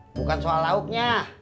bukan soal lauknya